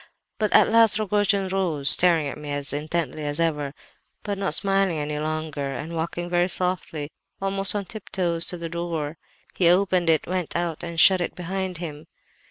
But at last Rogojin rose, staring at me as intently as ever, but not smiling any longer,—and walking very softly, almost on tip toes, to the door, he opened it, went out, and shut it behind him.